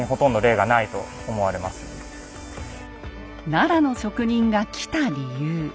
奈良の職人が来た理由。